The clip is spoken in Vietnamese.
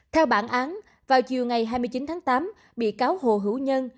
theo bản án vào chiều ngày hai mươi chín tháng tám bị cáo hồ hữu nhân